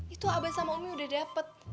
itu abah sama umi udah dapet